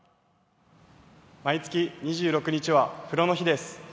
毎月２６日は風呂の日です。